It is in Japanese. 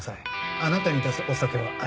あなたに出すお酒はありません。